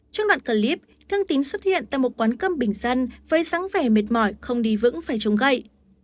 trong đoạn clip thương tính xuất hiện tại một quán cơm bình dân với sáng vẻ mệt mỏi không đi vững phải trông gậy